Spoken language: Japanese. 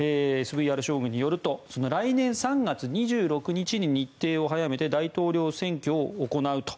ＳＶＲ将軍によると来年３月２６日に日程を早めて大統領選挙を行うと。